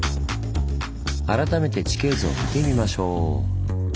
改めて地形図を見てみましょう。